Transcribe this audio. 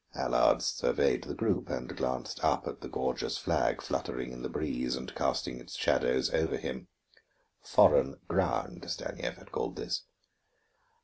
Allard surveyed the group, and glanced up at the gorgeous flag fluttering in the breeze and casting its shadow over him. Foreign ground, Stanief had called this.